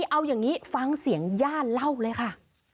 เอาอย่างนี้ฟังเสียงย่าเล่าเลยค่ะ